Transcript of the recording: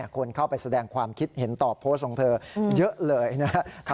คนเข้าไปแสดงความคิดเห็นต่อโพสต์ของเธอเยอะเลยนะครับ